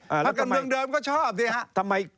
พรรคการเมืองเดิมก็ชอบเนี่ยฮะ